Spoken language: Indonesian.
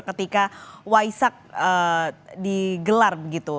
ketika waisak digelar begitu